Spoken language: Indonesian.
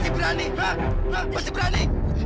ibu leni ibu leni